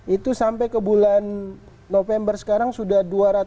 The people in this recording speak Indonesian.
itu sampai ke bulan november sekarang sudah dua ratus tiga satu ratus delapan puluh enam